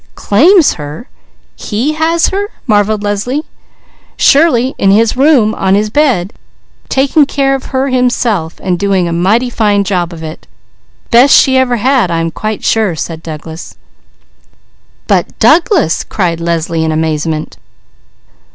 "Claims her! He has her?" marvelled Leslie. "Surely! In his room! On his bed! Taking care of her himself, and doing a mighty fine job of it! Best she ever had I am quite sure," said Douglas. "But Douglas!" cried Leslie in amazement.